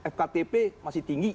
fktp masih tinggi